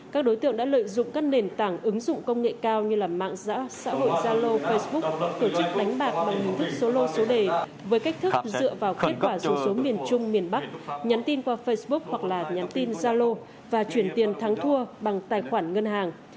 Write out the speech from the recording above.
các đối tượng đã lợi dụng các nền tảng ứng dụng công nghệ cao như mạng xã hội zalo facebook tổ chức đánh bạc bằng hình thức số lô số đề với cách thức dựa vào kết quả số số miền trung miền bắc nhắn tin qua facebook hoặc là nhắn tin gia lô và chuyển tiền thắng thua bằng tài khoản ngân hàng